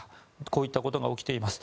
こういったことが起きています。